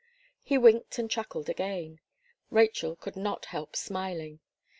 He winked and chuckled again. Rachel could not help smiling.